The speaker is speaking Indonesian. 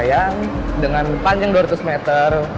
yang dengan panjang dua ratus meter